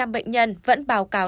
ba mươi năm bệnh nhân vẫn báo cáo